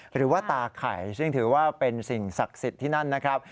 หรือว่าตาไข่ซึ่งถือว่าเป็นสิ่งศักดิ์สิทธิ์ที่นั่นนะครับ